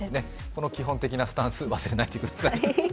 この基本的なスタンス忘れないでください。